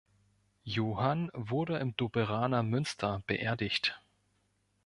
Johann wurde im Doberaner Münster beerdigt.